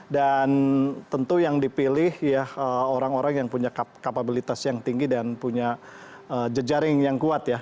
dan tentu yang dipilih ya orang orang yang punya kapabilitas yang tinggi dan punya jejaring yang kuat ya